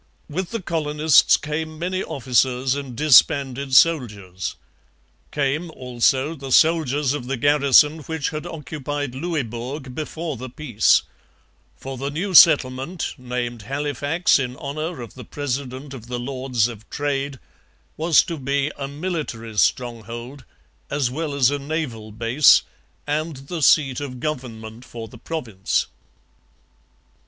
With the colonists came many officers and disbanded soldiers; came, also, the soldiers of the garrison which had occupied Louisbourg before the peace; for the new settlement, named Halifax in honour of the president of the Lords of Trade, was to be a military stronghold, as well as a naval base, and the seat of government for the province.